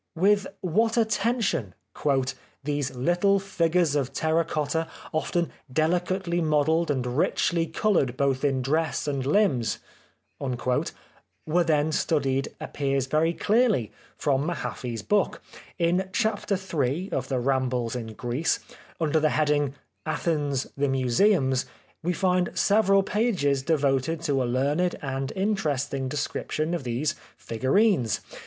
With what 151 The Life of Oscar Wilde attention " these little figures of terra cotta, often delicately modelled and richly coloured both in dress and limbs " were then studied appears very clearly from Mahaffy's book. In Chapter III. of the " Rambles in Greece/' under the heading, " Athens — The Museums/' we find several pages devoted to a learned and inter esting description of these figurines.